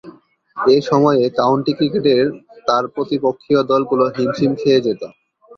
এ সময়ে কাউন্টি ক্রিকেটের তার প্রতিপক্ষীয় দলগুলো হিমশিম খেয়ে যেতো।